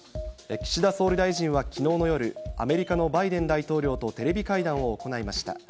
岸田総理大臣はきのうの夜、アメリカのバイデン大統領とテレビ会談を行いました。